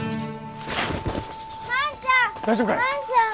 万ちゃん！